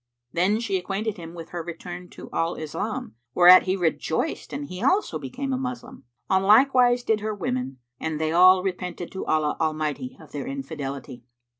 Then she acquainted him with her return to Al Islam, whereat he rejoiced and he also became a Moslem. On like wise did her women, and they all repented to Allah Almighty of their infidelity.